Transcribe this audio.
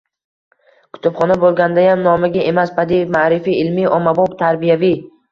Kutubxona bo‘lgandayam nomiga emas, badiiy, ma’rifiy, ilmiy-ommabop, tarbiyaviy